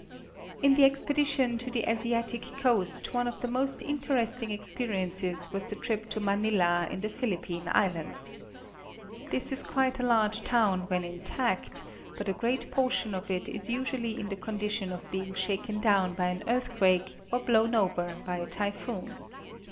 In the expedition to the Asiatic coast one of the most interesting experiences was the trip to Manila in the Philippine Islands. This is quite a large town when intact, but a great portion of it is usu ally in the condition of being shaken down by an earthquake or blown over by a typhoon.